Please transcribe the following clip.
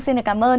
xin được cảm ơn